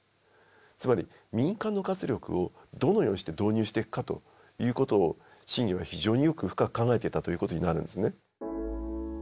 つまり民間の活力をどのようにして導入していくかということを信玄は非常によく深く考えていたということになるんですね。